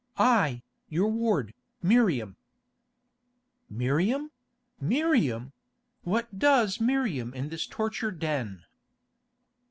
"I, your ward, Miriam." "Miriam! Miriam! What does Miriam in this torture den?"